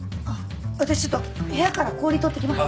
私ちょっと部屋から氷取ってきます。